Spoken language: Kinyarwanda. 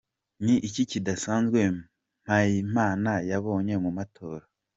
Ni iki kidasanzwe Mpayimana yabonye mu matora.